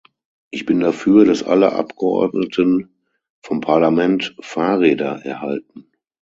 Ich bin dafür, dass alle Abgeordneten vom Parlament Fahrräder erhalten.